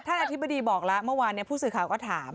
อธิบดีบอกแล้วเมื่อวานผู้สื่อข่าวก็ถาม